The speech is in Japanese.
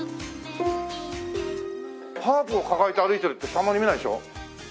ハープを抱えて歩いてるってあまり見ないでしょ？